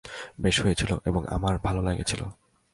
বেশ হয়েছিল এবং আমার ভাল লেগেছিল।